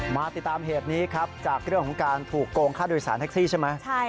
มาติดตามเหตุนี้ครับจากเรื่องของการถูกโกงค่าโดยสารแท็กซี่ใช่ไหม